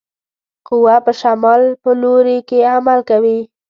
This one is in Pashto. قوه په شمال په لوري کې عمل کوي.